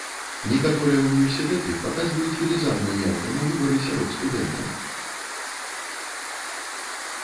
Некаторыя ўніверсітэты паказваюць велізарную яўку на выбары сярод студэнтаў.